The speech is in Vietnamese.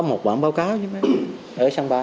có một bản báo cáo chứ mấy ở sân bay